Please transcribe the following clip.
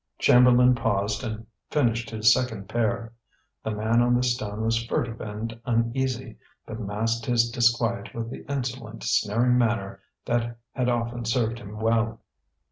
Chamberlain paused and finished his second pear. The man on the stone was furtive and uneasy, but masked his disquiet with the insolent sneering manner that had often served him well.